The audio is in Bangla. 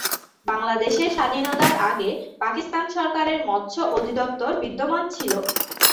বাংলাদেশের স্বাধীনতার আগে পাকিস্তান সরকারের মৎস্য অধিদপ্তর বিদ্যমান ছিল।